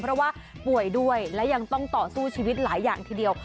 เพราะว่าป่วยด้วยและยังต้องต่อสู้ชีวิตหลายอย่างทีเดียว